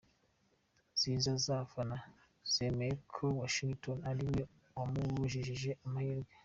Ziza Bafana yemeza ko Bushington ari we wamubujije amahirwe.